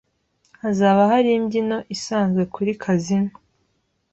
Hazaba hari imbyino isanzwe kuri kazino.